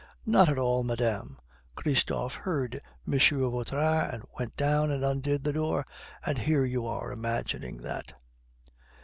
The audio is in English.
"Not at all, madame. Christophe heard M. Vautrin, and went down and undid the door. And here are you imagining that